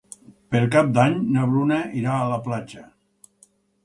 Per Cap d'Any na Bruna irà a la platja.